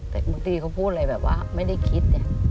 แต่บางทีเขาพูดอะไรแบบว่าไม่ได้คิด